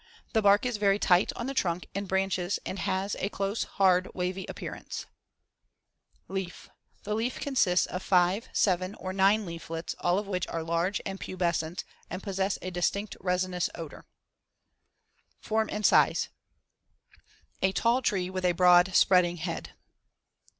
The *bark* is very tight on the trunk and branches and has a close, hard, wavy appearance as in Fig. 70. Leaf: The leaf consists of 5, 7 or 9 leaflets all of which are large and pubescent and possess a distinct resinous odor. Form and size: A tall tree with a broad spreading head.